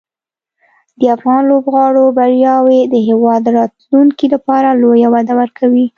د افغان لوبغاړو بریاوې د هېواد د راتلونکي لپاره لویه وده ورکوي.